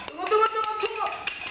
tunggu tunggu tunggu tunggu